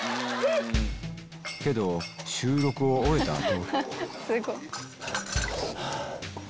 けど収録を終えた後